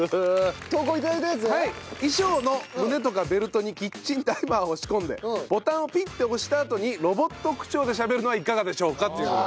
衣装の胸とかベルトにキッチンタイマーを仕込んでボタンをピッて押したあとにロボット口調でしゃべるのはいかがでしょうか？という。